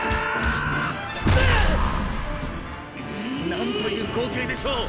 「なんという光景でしょう！